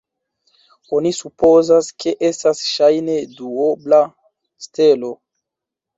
Oni supozas, ke estas ŝajne duobla stelo.